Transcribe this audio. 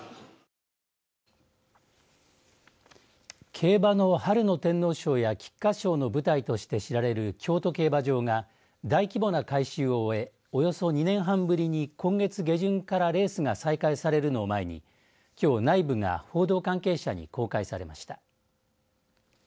競馬の春の天皇賞や菊花賞の舞台として知られる京都競馬場が大規模な改修を終えおよそ２年半ぶりに今月下旬からレースが再開されるのを前にきょう内部が報道関係者に公開されました。